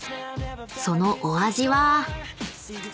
［そのお味は？］